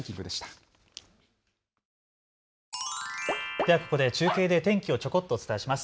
ではここで中継で天気をちょこっとお伝えします。